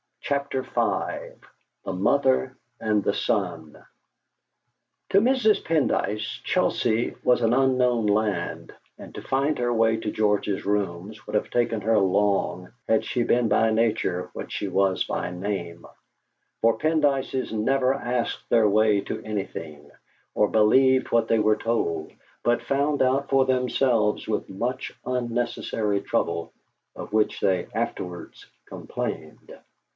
CHAPTER V THE MOTHER AND THE SON To Mrs. Pendyce, Chelsea was an unknown land, and to find her way to George's rooms would have taken her long had she been by nature what she was by name, for Pendyces never asked their way to anything, or believed what they were told, but found out for themselves with much unnecessary trouble, of which they afterwards complained.